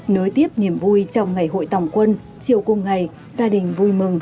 nối tiếp niềm vui trong ngày hội tòng quân chiều cùng ngày gia đình vui mừng